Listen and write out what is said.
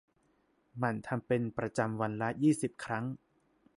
หมั่นทำเป็นประจำวันละ ยี่สิบ ครั้ง